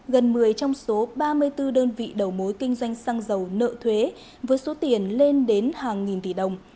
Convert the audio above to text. gần một mươi trong số ba mươi bốn đơn vị đầu mối kinh doanh xăng dầu nợ thuế với số tiền lên đến hàng nghìn tỷ đồng